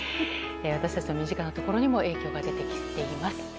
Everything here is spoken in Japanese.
私たちの身近なところにも影響が出てきています。